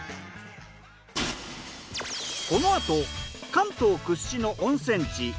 このあと関東屈指の温泉地